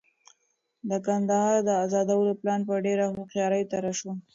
د کندهار د ازادولو پلان په ډېره هوښیارۍ طرح شو.